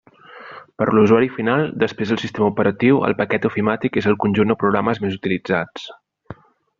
Per a l'usuari final, després del sistema operatiu, el paquet ofimàtic és el conjunt de programes més utilitzats.